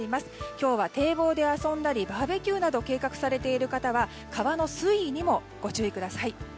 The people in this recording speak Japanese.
今日は堤防で遊んだりバーベキューなどを計画されている方は川の水位にもご注意ください。